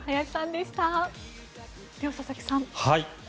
では、佐々木さん。